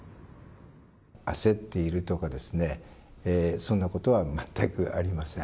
焦っているとかですね、そんなことは全くありません。